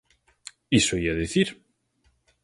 Iso ía dicir.